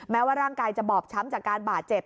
แม้ว่าร่างกายจะบอบช้ำจากการบาดเจ็บ